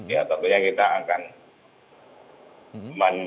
ya tentunya kita akan